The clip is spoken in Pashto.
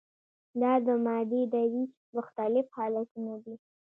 دا د مادې درې مختلف حالتونه دي.